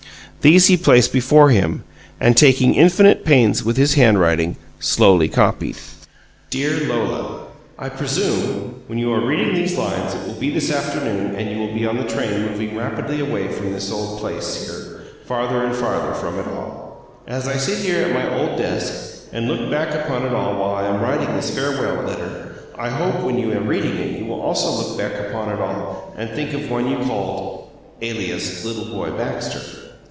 These he placed before him, and, taking infinite pains with his handwriting, slowly copied: DEAR LOLA I presume when you are reading these lines it will be this afternoon and you will be on the train moving rapidly away from this old place here farther and farther from it all. As I sit here at my old desk and look back upon it all while I am writing this farewell letter I hope when you are reading it you also will look back upon it all and think of one you called (Alias) Little Boy Baxter.